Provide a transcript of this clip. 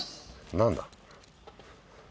何だ？